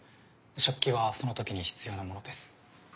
食器はその時に必要なものです。